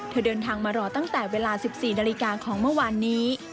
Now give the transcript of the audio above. เดินทางมารอตั้งแต่เวลา๑๔นาฬิกาของเมื่อวานนี้